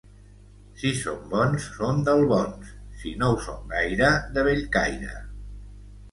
Si són bons són d'Albons; si no ho són gaire, de Bellcaire.